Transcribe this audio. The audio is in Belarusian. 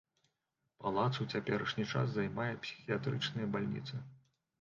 Палац у цяперашні час займае псіхіятрычная бальніца.